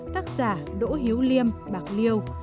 tác giả đỗ hiếu liêm bạc liêu